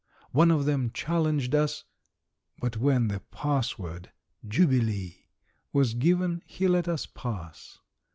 One of them challenged us, but when the password, "Jubilee," was given he let us pass.